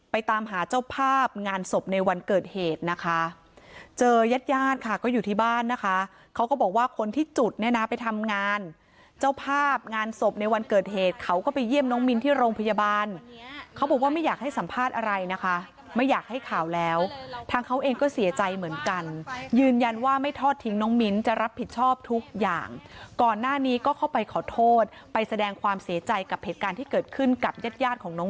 ไปตามหาเจ้าภาพงานศพในวันเกิดเหตุนะคะเจอยัดค่ะก็อยู่ที่บ้านนะคะเขาก็บอกว่าคนที่จุดเนี่ยนะไปทำงานเจ้าภาพงานศพในวันเกิดเหตุเขาก็ไปเยี่ยมน้องมินที่โรงพยาบาลเขาบอกว่าไม่อยากให้สัมภาษณ์อะไรนะคะไม่อยากให้ข่าวแล้วทางเขาเองก็เสียใจเหมือนกันยืนยันว่าไม่ทอดทิ้งน้องมินจะรับผิดชอบทุกอย่